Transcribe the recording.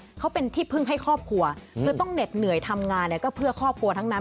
เขาเป็นที่พึ่งให้ครอบครัวคือต้องเหน็ดเหนื่อยทำงานเนี่ยก็เพื่อครอบครัวทั้งนั้น